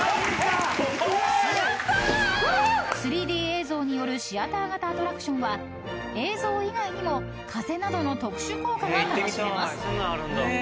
［３Ｄ映像によるシアター型アトラクションは映像以外にも風などの特殊効果が楽しめます］